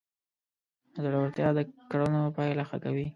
زړورتیا د کړنو پایله ښه کوي.